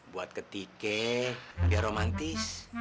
buat ketike biar romantis